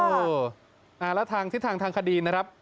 เออแล้วทางทิศทางทางคดีนะครับ